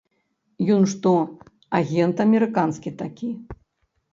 Ён што, агент амерыканскі такі?